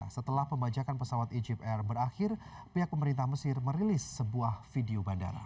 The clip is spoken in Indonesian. setelah pembajakan pesawat egyp air berakhir pihak pemerintah mesir merilis sebuah video bandara